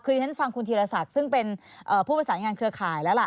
คือที่ฉันฟังคุณธีรศักดิ์ซึ่งเป็นผู้ประสานงานเครือข่ายแล้วล่ะ